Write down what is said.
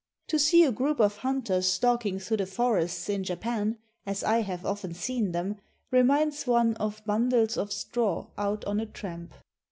To see a group of hunters stalking through the forests in Japan, as I have often seen them, reminds one of bundles of straw out on a tramp.